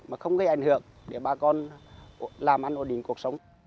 mà không có cái ảnh hưởng để bà con làm ăn ổn định cuộc sống